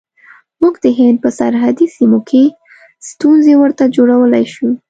موږ د هند په سرحدي سیمو کې ستونزې ورته جوړولای شو.